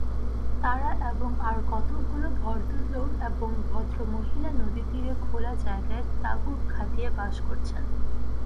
তাঁরা এবং আর কতকগুলি ভদ্রলোক ও ভদ্রমহিলা নদীতীরে খোলা জায়গায় তাঁবু খাটিয়ে বাস করছেন।